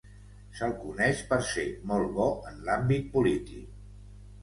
Se'l coneix per ser molt bo en l'àmbit polític.